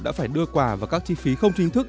đã phải đưa quà vào các chi phí không chính thức